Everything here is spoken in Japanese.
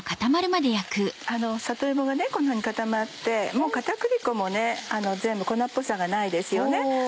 里芋がこんなふうに固まってもう片栗粉も全部粉っぽさがないですよね。